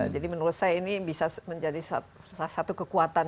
jadi menurut saya ini bisa menjadi satu kekuatan